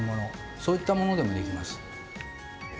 そういったものでもできます。